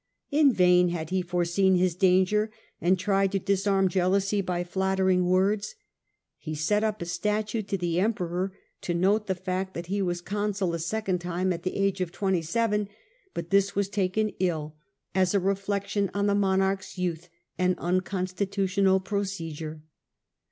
In vain had he foreseen his danger and tried to disarm andDomi jealousy by flattering words. He set up a tins Afer. statue to the Emperor to note the fact that he was consul a second time at the age of twenty seven; but this was taken ill, as a reflexion on the monarch's youth and unconstitutional procedure.